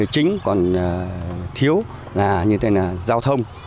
chính còn thiếu là như thế này là giao thông